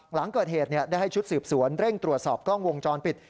หลังเกิดเหตุได้ให้ชุดสืบสวนเร่งตรวจสอบกล้องวงจรปิด